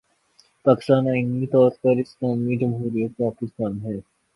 پاکستان آئینی طور پر 'اسلامی جمہوریہ پاکستان‘ ہے۔